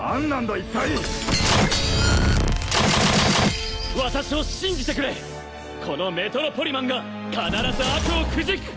一体私を信じてくれこのメトロポリマンが必ず悪をくじく！